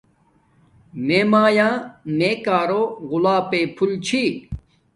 میے مایآ میے کارو غلاپݵ پحول چھی